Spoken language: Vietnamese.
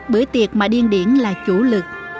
bữa tiệc mà điên điển là chủ lực